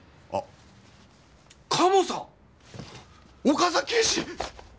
岡崎警視！